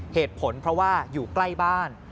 เหตุผลเพราะว่าอยู่ใกล้บ้าน